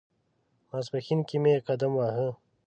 ماپښین کې مې قدم واهه.